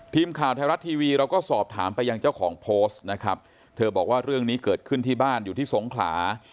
ทีมข่าวไทยรัฐทีวีเราก็สอบถามไปยังเจ้าของโพสต์นะครับเธอบอกว่าเรื่องนี้เกิดขึ้นที่บ้านอยู่ที่สงขลา